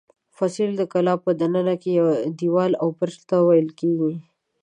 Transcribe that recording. فصیل د کلا په دننه کې دېوال او برج ته ویل کېږي.